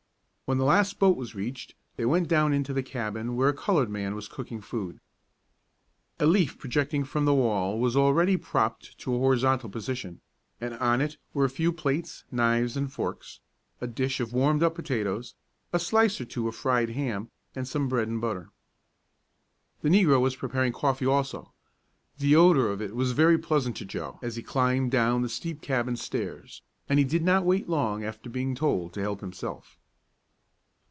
When the last boat was reached, they went down into the cabin, where a colored man was cooking food. A leaf projecting from the wall was already propped to a horizontal position, and on it were a few plates, knives and forks, a dish of warmed up potatoes, a slice or two of fried ham, and some bread and butter. The negro was preparing coffee also. The odor of it all was very pleasant to Joe as he climbed down the steep cabin stairs, and he did not wait long after being told to help himself.